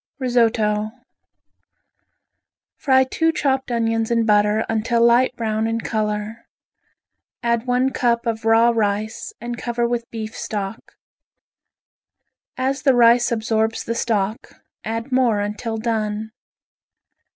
Risotto Fry two chopped onions in butter until light brown in color. Add one cup of raw rice and cover with beef stock. As the rice absorbs the stock add more until done.